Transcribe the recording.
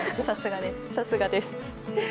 さすがです。